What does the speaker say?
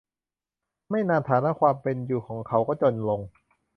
ไม่นานฐานะความเป็นอยู่ของเขาก็จนลง